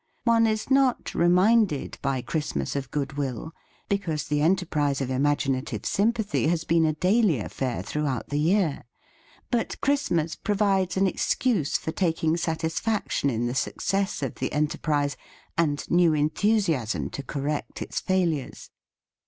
One is not reminded by Christmas of goodwill, because the enterprise of imaginative sympathy has been a daily affair throughout the year ; but Christmas provides an excuse for taking satisfaction in the success of the enterprise and new enthusiasm to cor rect its failures.